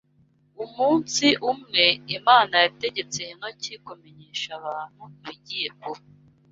Umunsi umwe, Imana yategetse Henoki kumenyesha abantu ibigiye kuba